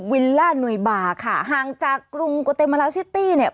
วิลล่านุยบาค่ะห่างจากกรุงโกเตมาลาซิตี้เนี่ย